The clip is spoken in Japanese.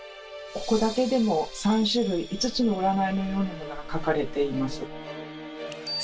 ここだけでも３種類５つの占いのようなものが書かれています。